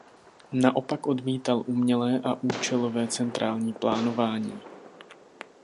Naopak odmítal umělé a účelové centrální plánování.